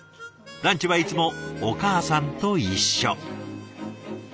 ランチはいつもお母さんと一緒。